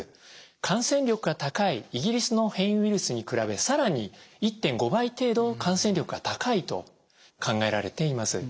感染力が高いイギリスの変異ウイルスに比べ更に１．５倍程度感染力が高いと考えられています。